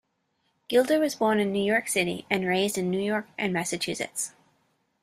Gilder was born in New York City and raised in New York and Massachusetts.